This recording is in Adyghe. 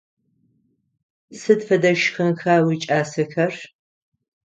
Сыд фэдэ шхынха уикӏасэхэр?